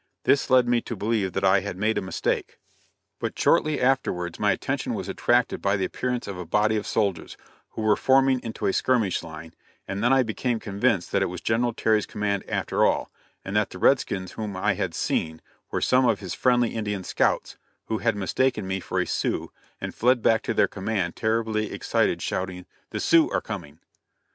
This led me to believe that I had made a mistake. But shortly afterwards my attention was attracted by the appearance of a body of soldiers, who were forming into a skirmish line, and then I became convinced that it was General Terry's command after all, and that the red skins whom I had seen were some of his friendly Indian scouts, who had mistaken me for a Sioux, and fled back to their command terribly excited, shouting, "The Sioux are coming!"